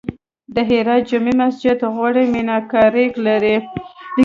د هرات جمعې مسجد غوري میناکاري لري